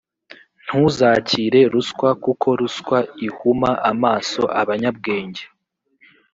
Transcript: ntuzakire ruswa, kuko ruswa ihuma amaso abanyabwenge,